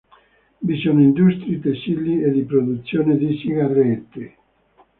Vi sono industrie tessili e di produzione di sigarette.